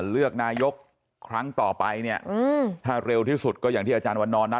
เลือกนายกครั้งต่อไปเนี่ยถ้าเร็วที่สุดก็อย่างที่อาจารย์วันนอนนะ